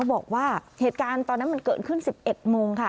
บอกว่าเหตุการณ์ตอนนั้นมันเกิดขึ้น๑๑โมงค่ะ